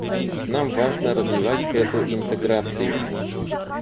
Нам важно развивать эту интеграцию.